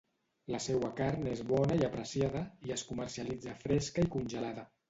La seua carn és bona i apreciada, i es comercialitza fresca i congelada.